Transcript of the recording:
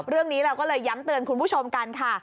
เรื่องนี้เราก็เลยย้ำเตือนคุณผู้ชมกันค่ะ